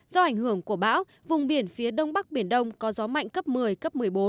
do ảnh hưởng của bão vùng biển phía đông bắc biển đông có gió mạnh cấp một mươi cấp một mươi bốn